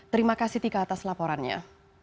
terima kasih tika atas laporannya